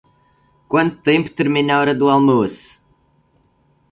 Quanto tempo termina a hora do almoço?